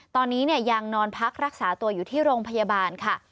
ตอนนี้ยังนอนพักรักษาตัวอยู่ที่โรงพยาบาลค่ะ